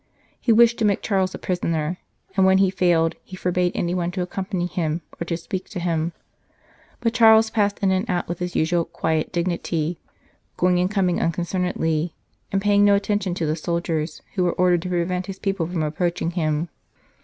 He wished to make Charles a prisoner, and when he failed he forbade anyone to accompany him or to speak to him ; but Charles passed in and out with his usual quiet dignity, going and coming unconcernedly, and paying no attention to the soldiers who were ordered to prevent his people from approaching him.